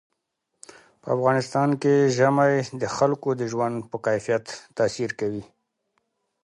په افغانستان کې ژمی د خلکو د ژوند په کیفیت تاثیر کوي.